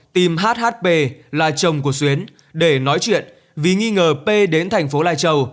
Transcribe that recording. tìm hhp là chồng của xuyến để nói chuyện vì nghi ngờ p đến thành phố lai châu